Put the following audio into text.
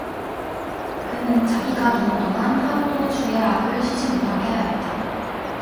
그는 자기가 누운 동안 하루도 주야학을 쉬지 못하게 하였다.